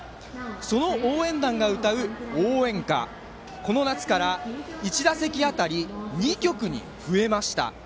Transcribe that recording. その応援団が歌う応援歌がこの夏から１打席あたり２曲に増えました。